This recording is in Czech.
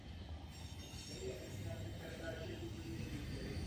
Ale nejvíce byl kritizován krátký dostřel zbraně a tak se ve vývoji pokračovalo.